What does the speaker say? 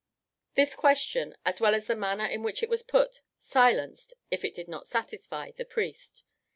This question, as well as the manner in which it was put, silenced, if it did not satisfy, the priest.